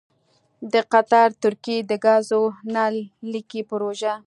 دقطر ترکیې دګازو نل لیکې پروژه: